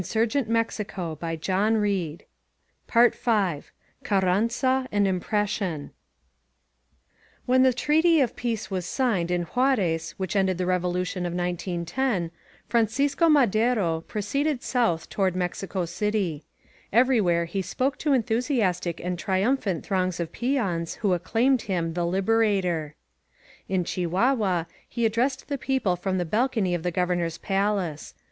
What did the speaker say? '* PART FIVE CARRANZA— AN IMPRESSION CARRANZA~AN IMPRESSION WHEN the Treaty of Peace was signed in Juarez which ended the Revolution of 1910, Francisco Madero proceeded south toward Mexico City. Everywhere he spoke to enthusiastic and triinnphant throngs of peons, who acclaimed him The Liberator. In Chihuahua he addressed the people from the bal cony of the Governor's palace.